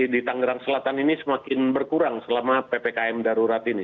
di tangerang selatan ini semakin berkurang selama ppkm darurat ini